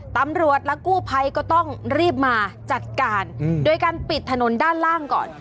ตำรวจและกู้ภัยก็ต้องรีบมาจัดการโดยการปิดถนนด้านล่างก่อน